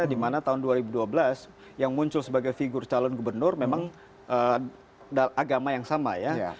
dimana tahun dua ribu dua belas yang muncul sebagai figur calon gubernur memang agama yang sama ya